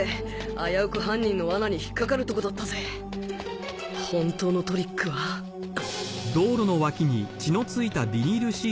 危うく犯人の罠に引っかかるとこだったぜ本当のトリックはあっ！？